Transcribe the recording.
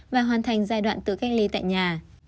và hoàn thành giai đoạn tự cách ly tại nhà